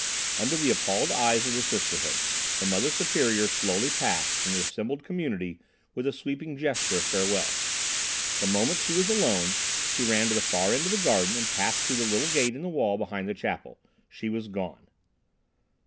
Under the appalled eyes of the sisterhood the Mother Superior slowly passed from the assembled community with a sweeping gesture of farewell. The moment she was alone, she ran to the far end of the garden and passed through the little gate in the wall behind the chapel. She was gone!